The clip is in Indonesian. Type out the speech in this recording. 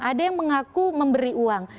ada yang mengaku memberi uang